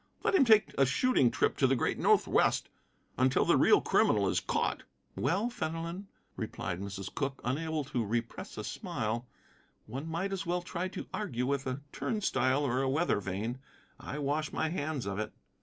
Let him take a shooting trip to the great Northwest until the real criminal is caught." "Well, Fenelon," replied Mrs. Cooke, unable to repress a smile, "one might as well try to argue with a turn stile or a weather vane. I wash my hands of it."